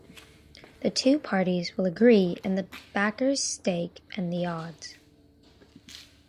The two parties will agree the backer's stake and the odds.